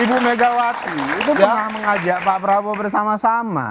ibu megawati itu sudah mengajak pak prabowo bersama sama